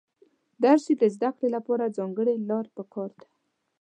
د هر شي د زده کړې له پاره ځانګړې لاره په کار ده.